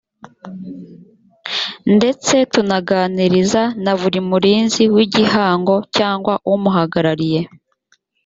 ndetse tunaganiriza na buri murinzi w igihango cyangwa umuhagarariye